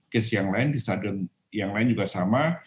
kes yang lain di stadion yang lain juga sama